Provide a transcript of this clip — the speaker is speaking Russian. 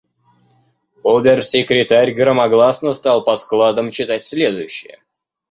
Обер-секретарь громогласно стал по складам читать следующее: